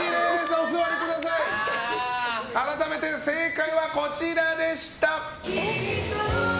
改めて、正解はこちらでした。